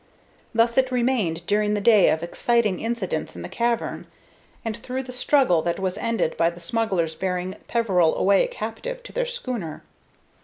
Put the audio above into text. Thus it remained during the day of exciting incidents in the cavern, and through the struggle that was ended by the smugglers bearing Peveril away captive to their schooner.